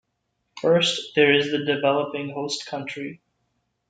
First, there is the developing host country.